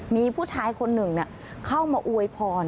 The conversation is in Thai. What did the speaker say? มีผู้ชายคนหนึ่งเข้ามาอวยพร